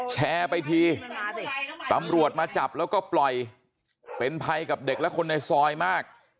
แชร์ไปทีตำรวจมาจับแล้วก็ปล่อยเป็นภัยกับเด็กและคนในซอยมาก